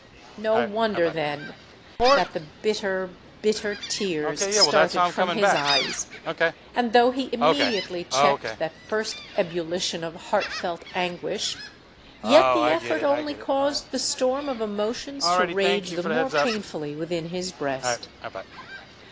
No wonder, then, that the bitter—bitter tears started from his eyes; and, though he immediately checked that first ebullition of heart felt anguish yet the effort only caused the storm of emotions to rage the more painfully within his breast.